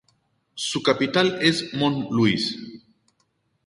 Su capital es Mont-Louis.